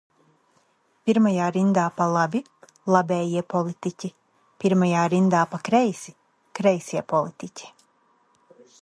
Pirmajā rindā pa labi – labējie politiķi, pirmajā rindā pa kreisi – kreisie politiķi.